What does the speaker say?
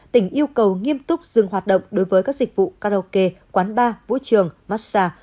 tỉnh yêu cầu nghiêm túc dừng hoạt động đối với các dịch vụ karaoke quán bar vũ trường massage